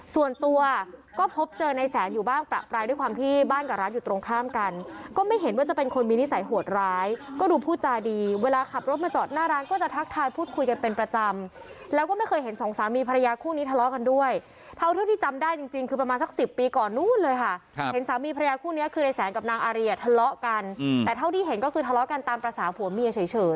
ส่วนตัวก็พบเจอในแสนอยู่บ้านประปรายด้วยความที่บ้านกับร้านอยู่ตรงข้ามกันก็ไม่เห็นว่าจะเป็นคนมีนิสัยหวดร้ายก็ดูผู้จาดีเวลาขับรถมาจอดหน้าร้านก็จะทักทานพูดคุยกันเป็นประจำแล้วก็ไม่เคยเห็นสองสามีภรรยาคู่นี้ทะเลาะกันด้วยเท่าที่ที่จำได้จริงคือประมาณสัก๑๐ปีก่อนนู้นเลยค่ะเห็นสามี